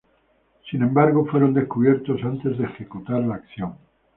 Sin embargo fueron descubiertos antes de ejecutar la acción.